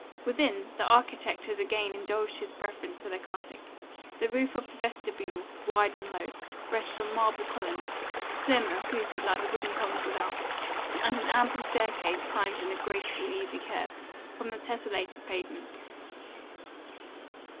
Within, the architect has again indulged his preference for the classic; the roof of the vestibule, wide and low, rests on marble columns, slim and fluted like the wooden columns without, and an ample staircase climbs in a graceful, easy curve from the tesselated pavement.